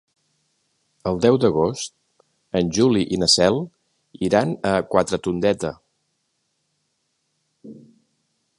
El deu d'agost en Juli i na Cel iran a Quatretondeta.